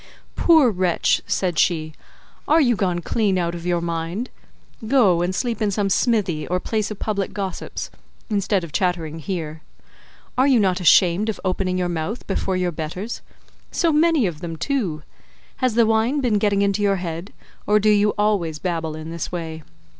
"Poor wretch," said she, "are you gone clean out of your mind? Go and sleep in some smithy, or place of public gossips, instead of chattering here. Are you not ashamed of opening your mouth before your betters—so many of them too? Has the wine been getting into your head, or do you always babble in this way?